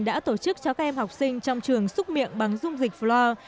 đã tổ chức cho các em học sinh trong trường xúc miệng bằng dung dịch floor